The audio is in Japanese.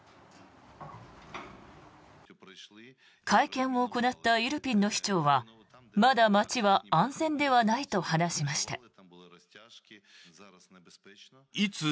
会見を行ったイルピンの市長はまだ街は安全ではないと話しました。